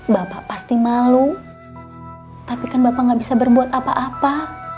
bapak pasti malu tapi kan bapak gak bisa berbuat apa apa